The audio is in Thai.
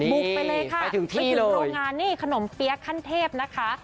บุกไปเลยค่ะไปถึงโรงงานนี่ขนมเปี๊ยะขั้นเทพนะคะ